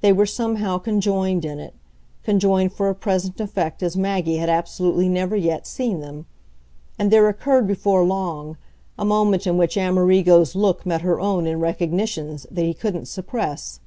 They were somehow conjoined in it, conjoined for a present effect as Maggie had absolutely never yet seen them; and there occurred, before long, a moment in which Amerigo's look met her own in recognitions that he couldn't suppress.